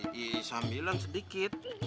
iiih sambilan sedikit